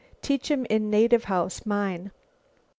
Teach 'em in native house, mine."